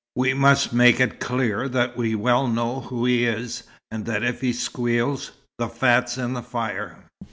We must make it clear that we well know who he is, and that if he squeals, the fat's in the fire!"